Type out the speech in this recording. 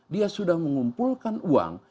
dia sudah mengumpulkan uang